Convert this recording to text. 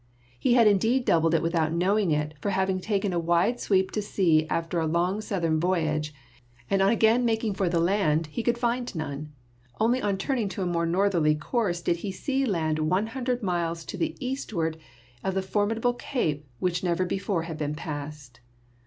He had in deed doubled it without knowing it, for having taken a wide sweep to sea after a long southern voyage, on again making for the land he could find none ; only on turning to a more northerly course did he see land one hundred miles to the eastward of the formidable cape which never before had been passed.